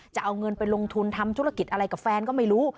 จะเอาเงินไปลงทุนทำธุรกิจอะไรกับแฟนก็ไม่รู้